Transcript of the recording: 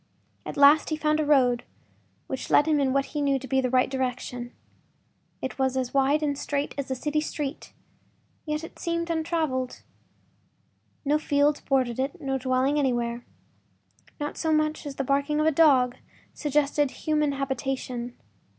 At last he found a road which led him in what he knew to be the right direction. It was as wide and straight as a city street, yet it seemed untraveled. No fields bordered it, no dwelling anywhere. Not so much as the barking of a dog suggested human habitation.